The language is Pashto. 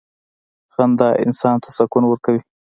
• خندا انسان ته سکون ورکوي.